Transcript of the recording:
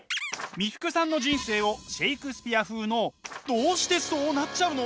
三福さんの人生をシェイクスピア風の「どうしてそうなっちゃうの？